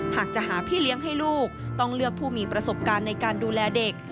หากจะหาพี่เลี้ยงให้ลูกต้องเลือกผู้มีประสบการณ์ในการดูแลเด็ก